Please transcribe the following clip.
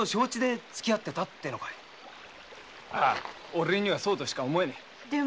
オレにはそうとしか思えねえ。